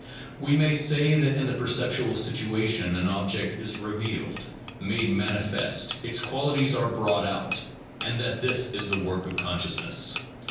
We may say that in the perceptual situation an object is revealed, made manifest, its qualities are brought out, and that this is the work of consciousness.